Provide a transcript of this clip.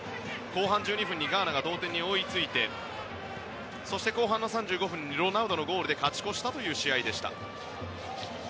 後半１２分にガーナが同点に追いついてそして後半３５分にロナウドのゴールで勝ち越したという試合でした。